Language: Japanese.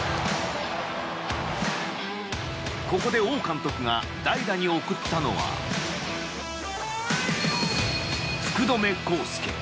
ここで王監督が代打に送ったのは福留孝介。